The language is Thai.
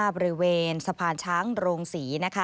บริเวณสะพานช้างโรงศรี